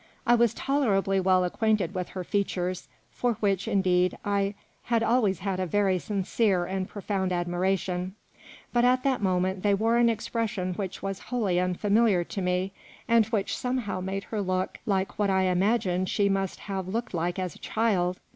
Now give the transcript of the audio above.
I was tolerably well acquainted with her features, for which, indeed, I had always had a very sincere and profound admiration ; but at that moment they wore an expression which was wholly unfamiliar to me, and which somehow made her look like what I imagined she must have looked like as a child.